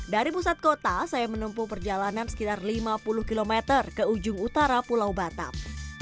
dari pusat kota saya menempuh perjalanan sekitar lima puluh km ke ujung utara pulau batam